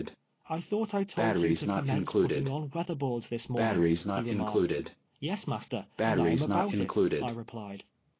" I thought I told you to commence putting on weather boards this morning," he remarked. " Yes, master, and I am about it," I replied.